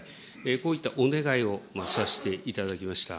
こういったお願いをさせていただきました。